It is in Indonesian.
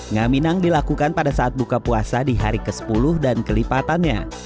ngaminang dilakukan pada saat buka puasa di hari ke sepuluh dan kelipatannya